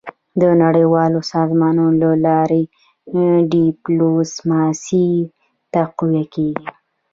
. د نړیوالو سازمانونو له لارې ډيپلوماسي تقویه کېږي.